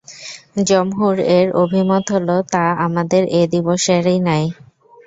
জমহুর-এর অভিমত হলো তা আমাদের এ দিবসেরই ন্যায়।